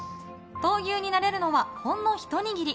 闘牛になれるのはほんの一握り。